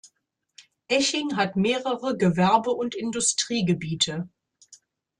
Eching hat mehrere Gewerbe- und Industriegebiete.